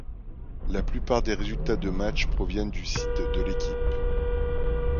La plupart des résultats de matches proviennent du site de L'Équipe.